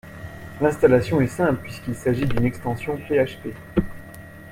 L'installation est simple puisqu'il s'agisse d'une extension PHP